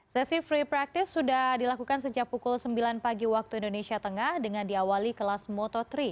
sesi free practice sudah dilakukan sejak pukul sembilan pagi waktu indonesia tengah dengan diawali kelas moto tiga